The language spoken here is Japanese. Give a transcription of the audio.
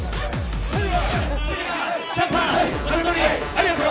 ありがとう。